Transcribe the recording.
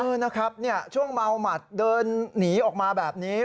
นะครับช่วงเมาหมัดเดินหนีออกมาแบบนี้